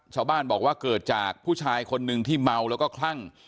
ชาวบ้านบอกว่าเกิดจากผู้ชายคนหนึ่งที่เมาแล้วก็คลั่ง